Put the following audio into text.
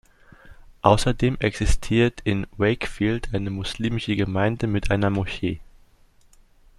Außerdem existiert in Wakefield eine muslimische Gemeinde mit einer Moschee.